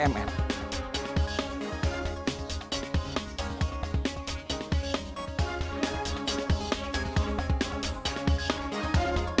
bumn menerima pmn